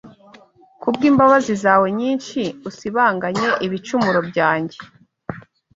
Kubw’imbabazi zawe nyinshi, usibanganye ibicumuro byanjye